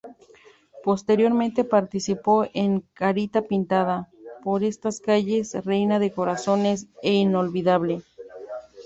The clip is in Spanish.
Posteriormente participó en "Carita pintada", "Por estas calles", "Reina de corazones" e "Inolvidable".